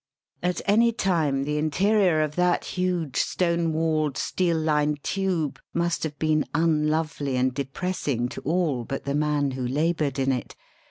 At any time the interior of that huge, stone walled, steel lined tube must have been unlovely and depressing to all but the man who laboured in it.